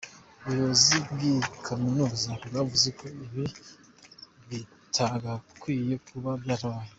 Ubuyobozi bw'iyi kaminuza bwavuze ko ibi bitagakwiye kuba byarabaye.